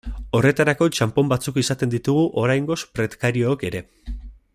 Horretarako txanpon batzuk izaten ditugu oraingoz prekariook ere.